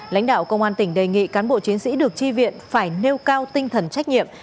lãnh đạo công an tỉnh đề nghị cán bộ chiến sĩ được tri viện phải nêu cao tinh thần trách nhiệm